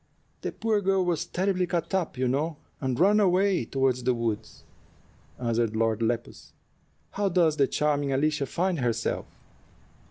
"The poor girl was terribly cut up, you know, and ran away toward the woods," answered Lord Lepus. "How does the charming Alicia find herself?